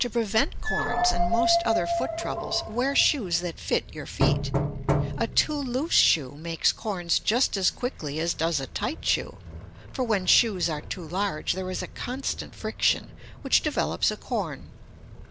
To prevent corns and most other foot troubles, wear shoes that fit your feet. A too loose shoe makes corns just as quickly as does a tight shoe, for when shoes are too large there is a constant friction, which develops a corn.